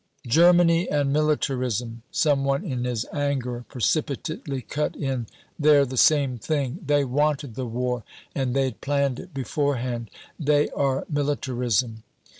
"Germany and militarism" some one in his anger precipitately cut in "they're the same thing. They wanted the war and they'd planned it beforehand. They are militarism."